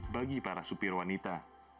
bagi para supir wanita